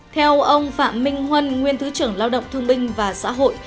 theo ông phạm minh huân nguyên thứ trưởng lao động thương binh và xã hội